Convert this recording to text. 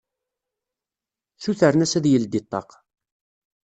Sutren-as ad yeldi ṭṭaq.